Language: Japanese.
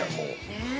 ねえ。